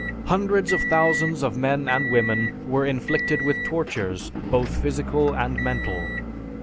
Hundreds of thousands of men and women were inflicted with tortures both physical and mental.